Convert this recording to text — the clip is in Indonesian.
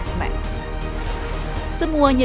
semuanya diberikan oleh merdeka belajar